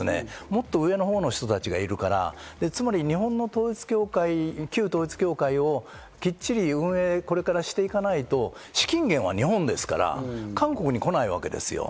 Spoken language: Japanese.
もっと上のほうの人たちがいるからつまり日本の統一教会、旧統一教会をきっちりこれから運営していかないと資金源は日本ですから、韓国に来ないわけですよ。